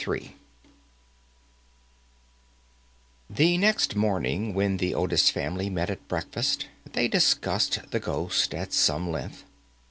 III The next morning, when the Otis family met at breakfast, they discussed the ghost at some length.